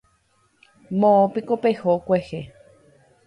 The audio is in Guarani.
Moõpiko peho kuehe.